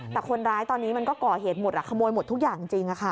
แต่คนร้ายตอนนี้มันก็ก่อเหตุหมดขโมยหมดทุกอย่างจริง